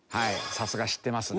さすが知ってますね。